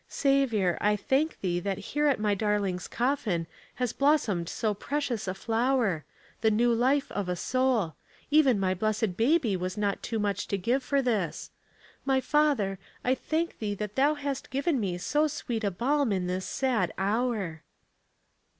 ''Saviour, I thank thee that here at my darling's coffin has blossomed so precious a flower — the lew life of a soul — even my blessed baby was not too much to give for this. My Father, I thank thee that thou hast given me so sweet a balm in this sad hour."